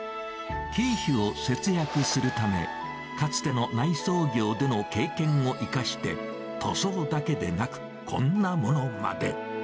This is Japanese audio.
経費を節約するため、かつての内装業での経験を生かして、塗装だけでなく、こんなものまで。